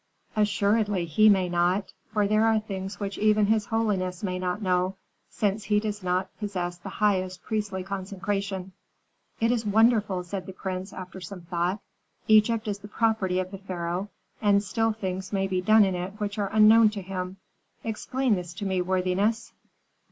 "Assuredly he may not, for there are things which even his holiness may not know, since he does not possess the highest priestly consecration." "It is wonderful!" said the prince, after some thought. "Egypt is the property of the pharaoh, and still things may be done in it which are unknown to him. Explain this to me, worthiness."